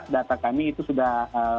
data kami itu sudah